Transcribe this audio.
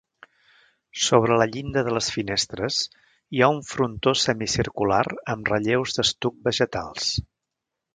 Sobre la llinda de les finestres hi ha un frontó semicircular amb relleus d'estuc vegetals.